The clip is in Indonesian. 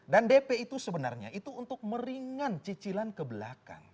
dan dp itu sebenarnya itu untuk meringan cicilan ke belakang